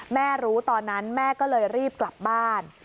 แม่รู้ตอนนั้นแม่ก็เลยรีบกลับบ้าน